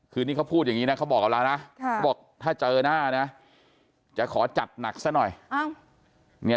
คือนี่เขาพูดอย่างนี้นะเขาบอกกับเรานะเขาบอกถ้าเจอหน้านะจะขอจัดหนักซะหน่อย